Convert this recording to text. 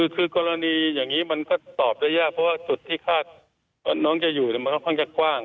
คือกรณีอย่างนี้มันก็ตอบได้ยากเพราะว่าจุดที่คาดว่าน้องจะอยู่มันค่อนข้างจะกว้าง